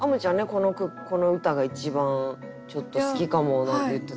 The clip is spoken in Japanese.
この句この歌が一番ちょっと好きかもなんて言ってたけど。